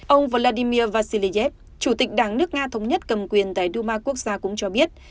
ông vladimir vacilizev chủ tịch đảng nước nga thống nhất cầm quyền tại duma quốc gia cũng cho biết